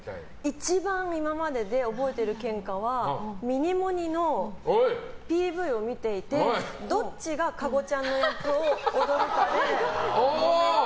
一番今までで覚えてるケンカはみにもに。のＴＶを見ていてどっちが加護ちゃんの役を踊るかでもめて。